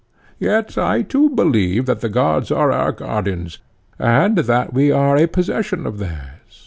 Yet I too believe that the gods are our guardians, and that we are a possession of theirs.